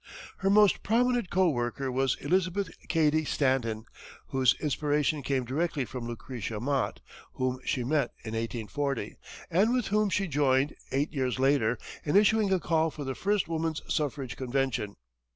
Her most prominent co worker was Elizabeth Cady Stanton, whose inspiration came directly from Lucretia Mott, whom she met in 1840, and with whom she joined, eight years later, in issuing a call for the first woman's suffrage convention.